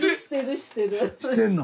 してんの？